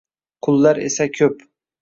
Qullar esa koʻp –